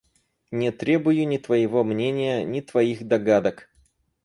Не требую ни твоего мнения, ни твоих догадок.